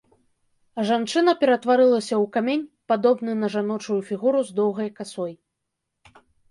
А жанчына ператварылася ў камень, падобны на жаночую фігуру з доўгай касой.